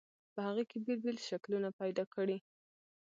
په هغې کې بېل بېل شکلونه پیدا کړئ.